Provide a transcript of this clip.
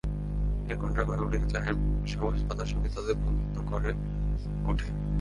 দেড় ঘণ্টার ঘোরাঘুরিতে চায়ের সবুজ পাতার সঙ্গে তাঁদের বন্ধুতা গড়ে ওঠে।